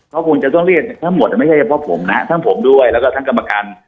เขาคงจะต้องเรียกทั้งหมดไม่ใช่เฉพาะผมนะทั้งผมด้วยแล้วก็ทั้งกรรมการ